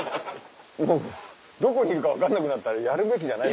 どこにいるか分かんなくなったらやるべきじゃない。